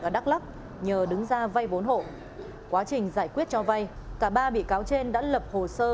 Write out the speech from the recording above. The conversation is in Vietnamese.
ở đắk lắk nhờ đứng ra vay bốn hộ quá trình giải quyết cho vay cả ba bị cáo trên đã lập hồ sơ